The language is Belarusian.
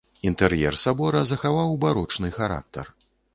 Інтэр'ер сабора захаваў барочны характар.